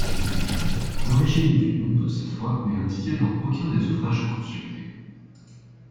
L'origine du nom de cette voie n'est indiquée dans aucuns des ouvrages consultés.